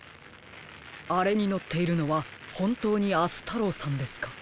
あれにのっているのはほんとうに明日太郎さんですか？